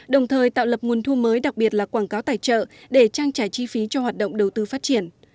đồng thời tạo lập nguồn thu mới đặc biệt là quảng cáo tài trợ để trang trải chi phí cho hoạt động đầu tư phát triển